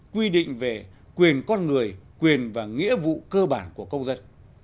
quy định về quyền con người quyền và nghĩa vụ cơ bản của công dân